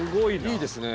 いいですね。